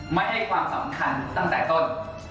ไม่ให้ความสำคัญตั้งแต่ต้น